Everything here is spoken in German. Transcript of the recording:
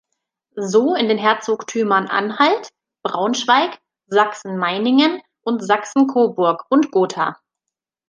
So in den Herzogtümern Anhalt, Braunschweig, Sachsen-Meiningen und Sachsen-Coburg und Gotha.